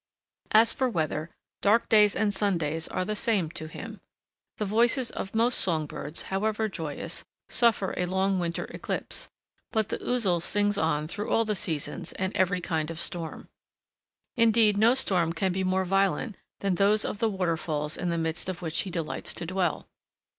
As for weather, dark days and sun days are the same to him. The voices of most song birds, however joyous, suffer a long winter eclipse; but the Ouzel sings on through all the seasons and every kind of storm. Indeed no storm can be more violent than those of the waterfalls in the midst of which he delights to dwell.